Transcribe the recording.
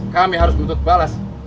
kami harus bentuk balas